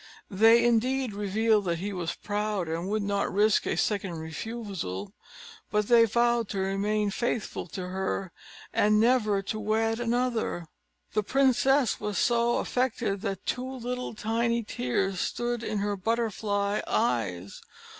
They indeed revealed that he was proud, and would not risk a second refusal; but they vowed to remain faithful to her, and never to wed another. The princess was so affected, that two little tiny tears stood in her butterfly eyes.